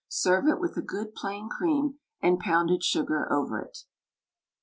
Serve it with a good plain cream, and pounded sugar over it.